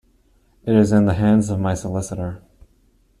It is in the hands of my solicitor.